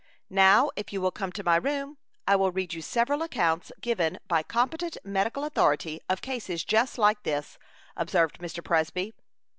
Now, if you will come to my room, I will read you several accounts, given by competent medical authority, of cases just like this," observed Mr. Presby.